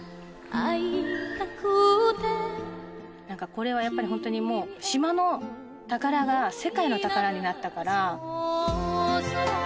何かこれはやっぱりホントにもう島の宝が世界の宝になったから。